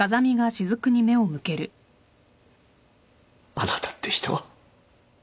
あなたって人は。